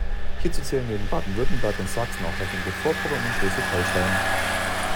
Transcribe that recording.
Hierzu zählen neben Baden-Württemberg und Sachsen auch Mecklenburg-Vorpommern und Schleswig-Holstein.